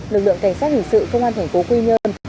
lực lượng cảnh sát hình sự công an thành phố quy nhơn